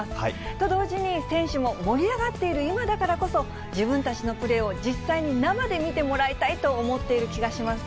と同時に、選手も盛り上がっている今だからこそ、自分たちのプレーを実際に生で見てもらいたいと思っている気がします。